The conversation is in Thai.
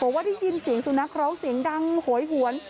บอกว่าได้ยินเสียงสุนัขร้องเสียงดังโหยหวน